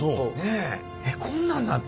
えっこんなんなってんの？